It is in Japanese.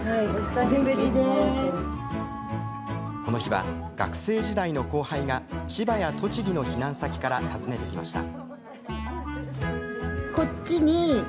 この日は、学生時代の後輩が千葉や栃木の避難先から訪ねてきました。